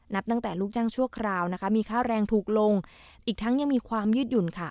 นับตั้งแต่ลูกจ้างชั่วคราวนะคะมีค่าแรงถูกลงอีกทั้งยังมีความยืดหยุ่นค่ะ